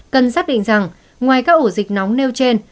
cần xác định rằng ngoài các ổ dịch nóng nêu trên